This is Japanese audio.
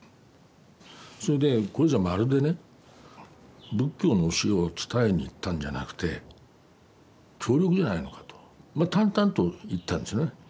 それで「これじゃまるで仏教の教えを伝えに行ったんじゃなくて協力じゃないのか？」と淡々と言ったんですよね。